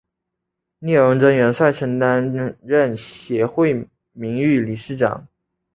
聂荣臻元帅曾担任协会名誉理事长。